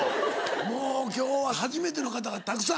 もう今日は初めての方がたくさん。